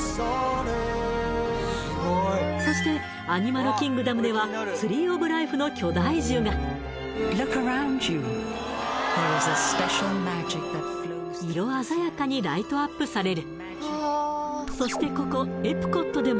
そしてアニマルキングダムではツリー・オブ・ライフの巨大樹が色鮮やかにライトアップされる